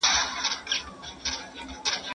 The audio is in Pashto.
عقدې یوازې نسلونه له یو بل سره جنګوي.